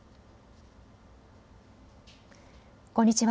こんにちは。